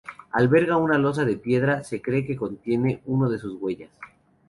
Alberga una losa de piedra se cree que contiene uno de sus huellas.